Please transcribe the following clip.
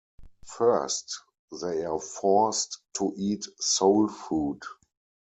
First they are forced to eat soul food.